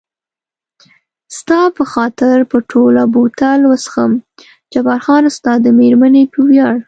ستا په خاطر به ټوله بوتل وڅښم، جبار خان ستا د مېرمنې په ویاړ.